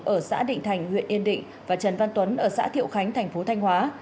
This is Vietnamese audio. ở xã định thành huyện yên định và trần văn tuấn ở xã thiệu khánh thành phố thanh hóa